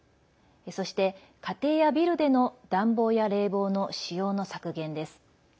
そして、家庭やビルでの暖房や冷房の使用の削減です。